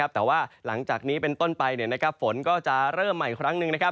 แต่ว่าหลังจากนี้เป็นต้นไปฝนก็จะเริ่มใหม่อีกครั้งหนึ่ง